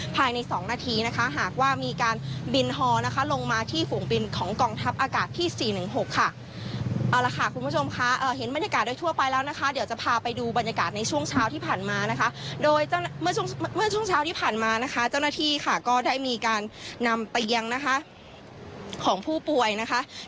ทางโรงพยาบาลแห่งนี้พายในสองนาทีหากว่ามีการบินฮ่อลงมาที่ฝูงบินของกองทัพอากาศที่๔๑๖